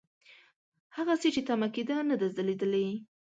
هغسې چې تمه کېده نه ده ځلېدلې.